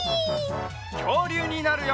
きょうりゅうになるよ！